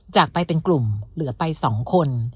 จากไปเป็นกลุ่มเหลือไป๒คน